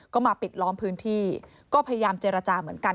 ก็มาปิดล้อมพื้นที่ก็พยายามเจรจาเหมือนกัน